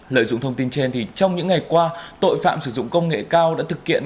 lợi dụng thông tin trên trong những ngày qua tội phạm sử dụng công nghệ cao đã thực hiện